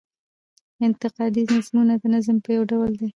انتقادي نظمونه د نظم يو ډول دﺉ.